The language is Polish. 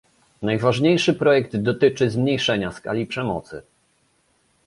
Najważniejszy projekt dotyczy zmniejszenia skali przemocy